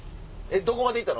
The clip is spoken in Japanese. どこまで行ったの？